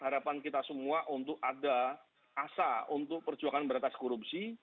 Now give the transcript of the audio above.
harapan kita semua untuk ada asa untuk perjuangan beratas korupsi